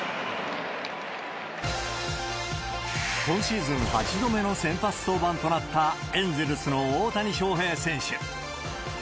今シーズン８度目の先発登板となった、エンゼルスの大谷翔平選手。